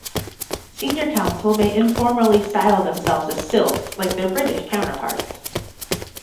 Senior Counsel may informally style themselves as "silks", like their British counterparts.